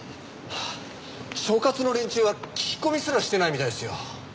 所轄の連中は聞き込みすらしてないみたいですよ。